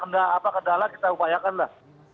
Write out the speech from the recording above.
nanti kalau memang ada kendala kita upayakan lah